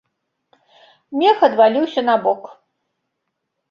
Мех адваліўся на бок.